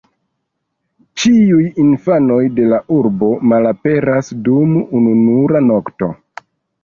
Ĉiuj infanoj de la urbo malaperas dum ununura nokto.